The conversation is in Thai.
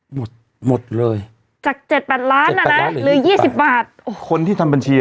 หมดหมดเลยจากเจ็ดแปดล้านอ่ะนะหรือยี่สิบบาทโอ้โหคนที่ทำบัญชี